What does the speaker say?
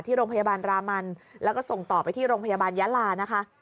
ที่โรงพยาบาลรามันแล้วก็ส่งต่อไปที่โรงพยาบาลยาลานะคะ